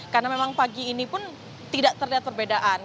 karena memang pagi ini pun tidak terlihat perbedaan